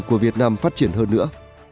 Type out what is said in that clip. của việt nam phát triển hơn nữa